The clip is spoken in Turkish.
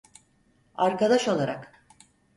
Arkadaş olarak.